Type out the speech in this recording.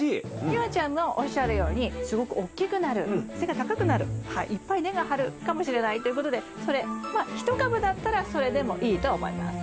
夕空ちゃんのおっしゃるようにすごくおっきくなる背が高くなるいっぱい根が張るかもしれないということでそれまあ１株だったらそれでもいいと思います。